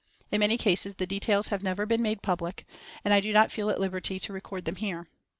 In many cases the details have never been made public, and I do not feel at liberty to record them here.